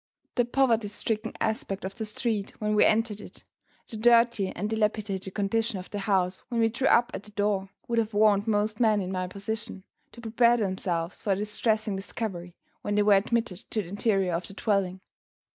THE poverty stricken aspect of the street when we entered it, the dirty and dilapidated condition of the house when we drew up at the door, would have warned most men, in my position, to prepare themselves for a distressing discovery when they were admitted to the interior of the dwelling.